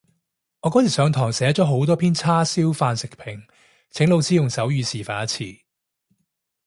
我嗰時上堂寫咗好多篇叉燒飯食評，請老師用手語示範一次